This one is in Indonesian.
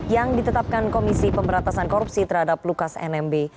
yang ditetapkan komisi pemberatasan korupsi terhadap lukas nmb